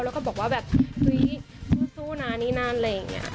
แล้วก็บอกว่าแบบเฮ้ยสู้นะนี่นั่นอะไรอย่างนี้